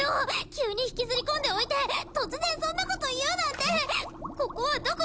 急に引きずり込んでおいて突然そんなこと言うなんてここはどこ？